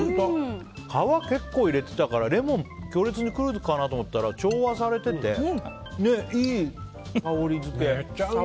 皮、結構入れてたからレモン強烈にくるかなと思ったら調和されてておいしい！